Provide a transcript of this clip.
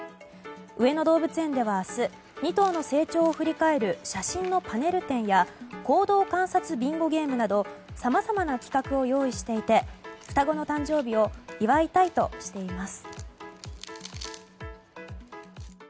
上野動物園では明日２頭の成長を振り返る写真のパネル展や行動観察ビンゴゲームなどさまざまな企画を用意していて双子の誕生日を祝いたいとしています。